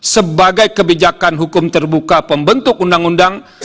sebagai kebijakan hukum terbuka pembentuk undang undang